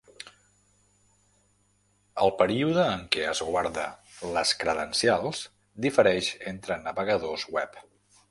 El període en què es guarda les credencials difereix entre navegadors web.